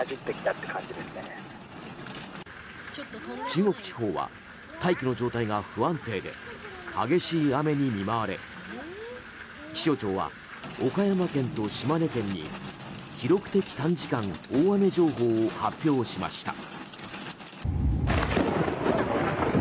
中国地方は大気の状態が不安定で激しい雨に見舞われ気象庁は岡山県と島根県に記録的短時間大雨情報を発表しました。